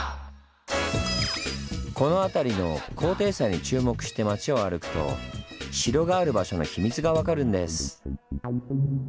この辺りの高低差に注目して町を歩くと城がある場所の秘密が分かるんです。